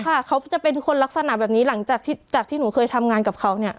เขาจะเป็นคนลักษณะแบบนี้หลังจากที่จากที่หนูเคยทำงานกับเขาเนี่ย